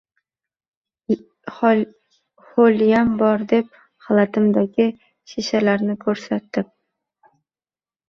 — Ho‘liyam bor, — dedim xaltamdagi shishalarni ko‘rsatib.